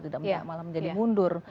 tidak malah menjadi mundur